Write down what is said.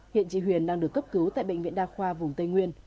hiện chị huyền đang được cấp cứu tại bệnh viện đa khoa vùng tây nguyên